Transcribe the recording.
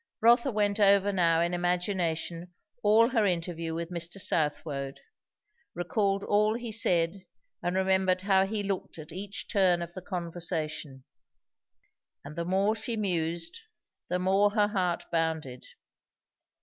Rotha went over now in imagination all her interview with Mr. Southwode; recalled all he said, and remembered how he looked at each turn of the conversation. And the more she mused, the more her heart bounded.